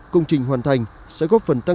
công trình hoàn thành sẽ góp phần tăng